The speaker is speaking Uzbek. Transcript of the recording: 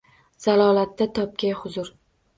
Zalolatda topgay huzur.